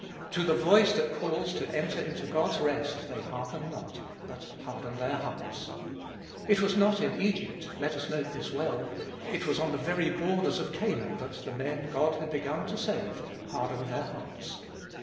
To the voice that calls to enter into God's rest they hearken not, but harden their hearts. It was not in Egypt — let us note this well — it was on the very borders of Canaan that the men God had begun to save hardened their hearts.